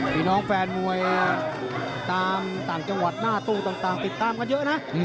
พี่น้องแฟนมวยตามต่างจังหวัดหน้าตู้ต่างติดตามกันเยอะนะ